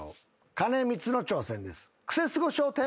兼光の挑戦です。